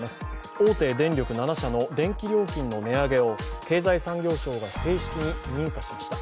大手電力７社の電気料金の値上げを経済産業省が正式に認可しました。